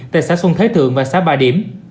tại xã xuân thế thượng và xã bà điểm